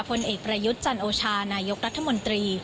ผลเอกประยุทธ์จันโอชานายกรัฐมนตรี